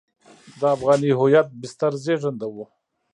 د افغاني هویت بستر زېږنده وو.